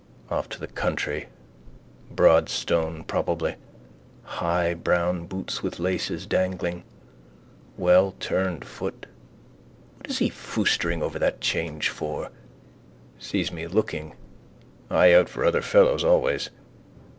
Off to the country: Broadstone probably. High brown boots with laces dangling. Wellturned foot. What is he foostering over that change for? Sees me looking. Eye out for other fellow always.